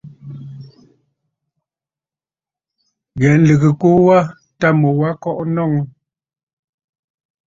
Ghɛ̀ɛ nlɨgə ɨkuu wa tâ mu wa kɔʼɔ nɔŋə.